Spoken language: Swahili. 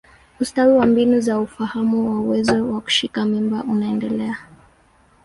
Ustawi wa mbinu za ufahamu wa uwezo wa kushika mimba unaendelea.